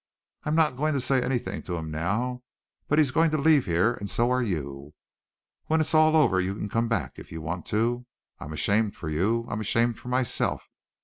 I'm not going to say anything to him now, but he's going to leave here and so are you. When it's all over you can come back if you want to. I'm ashamed for you. I'm ashamed for myself.